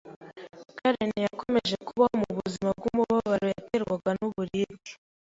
Karen yakomeje kubaho mu buzima bw’umubabaro yaterwaga n’uburibwe